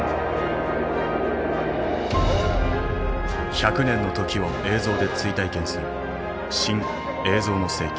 百年の時を映像で追体験する「新・映像の世紀」。